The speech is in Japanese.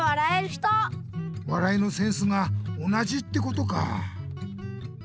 わらいのセンスが同じってことか！